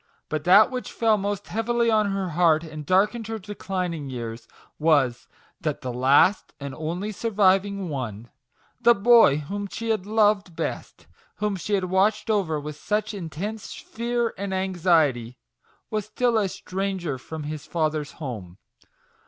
But that which fell most heavily on her heart and darkened her declining years, was, that the last and only sur D 34 MAGIC WORDS. viving one the boy whom she had loved best whom she had watched over with such intense fear and anxiety was still a stranger from his father's home.